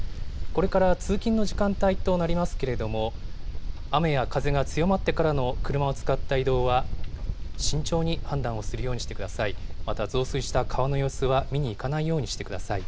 これから通勤の時間帯となりますけれども、雨や風が強まってからの車を使った移動は、慎重に判断をするようにしてください。